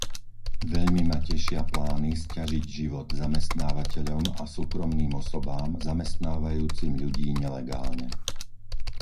Veľmi ma tešia plány sťažiť život zamestnávateľom a súkromným osobám zamestnávajúcim ľudí nelegálne.